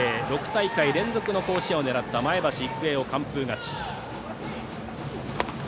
６大会連続の甲子園を狙った前橋育英に完封勝ち。